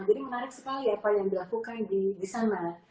jadi menarik sekali apa yang dilakukan di sana